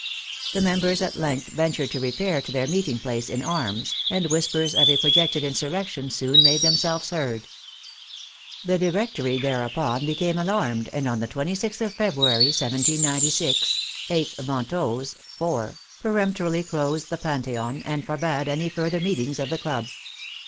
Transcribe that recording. The mem bers at length ventured to repair to their meeting place in arms, and whispers of a projected insurrection soon made themselves heard. The Directory thereupon became alarmed, and on the 26th of February, 1796 (8th Ventose, IV.), peremptorily closed the Pantheon and forbade any further meetings of the club.